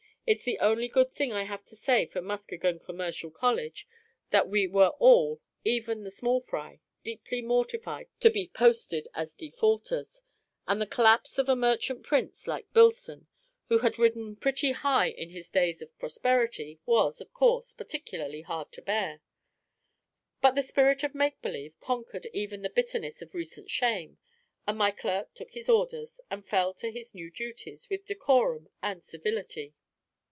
It's the only good thing I have to say for Muskegon Commercial College, that we were all, even the small fry, deeply mortified to be posted as defaulters; and the collapse of a merchant prince like Billson, who had ridden pretty high in his days of prosperity, was, of course, particularly hard to bear. But the spirit of make believe conquered even the bitterness of recent shame; and my clerk took his orders, and fell to his new duties, with decorum and civility.